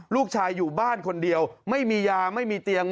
ลูกชายอยู่บ้านคนเดียวไม่มียาไม่มีเตียง